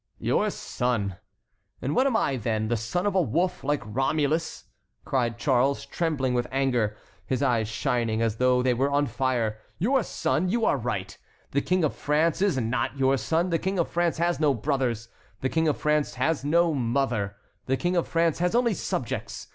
"Your son—and what am I, then? the son of a wolf, like Romulus?" cried Charles, trembling with anger, his eyes shining as though they were on fire. "Your son, you are right; the King of France is not your son, the King of France has no brothers, the King of France has no mother, the King of France has only subjects.